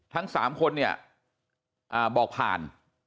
ทั้ง๓คนเนี่ยบอกผ่าน